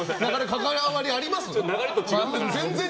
関わりあります？